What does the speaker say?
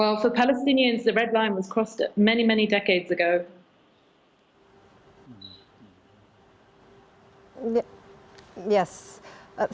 bagi orang palestina garis merah itu telah ditutup beberapa dekade lalu